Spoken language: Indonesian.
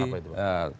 apa itu pak